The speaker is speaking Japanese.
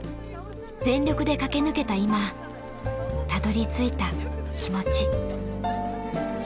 全力で駆け抜けた今たどりついた気持ち。